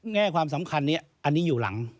แง่ความสำคัญนี้อันนี้อยู่หลัง